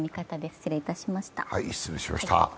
失礼いたしました。